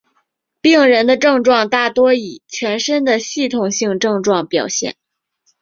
病人的症状大多以全身的系统性症状表现。